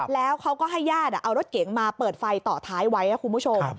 แล้วเขาก็ให้ญาติเอารถเก๋งมาเปิดไฟต่อท้ายไว้นะคุณผู้ชม